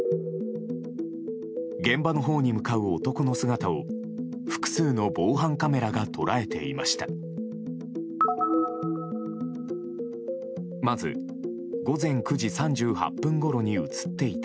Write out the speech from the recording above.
現場のほうに向かう男の姿を複数の防犯カメラが捉えていました。